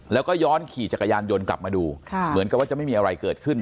แล้วก็ย้อนขี่จักรยานยนต์กลับมาดูเหมือนกับว่าจะไม่มีอะไรเกิดขึ้น